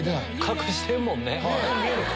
隠してるもんね。